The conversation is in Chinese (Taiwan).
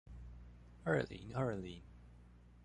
二零二零